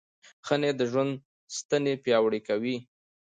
ښه نیت د ژوند ستنې پیاوړې کوي.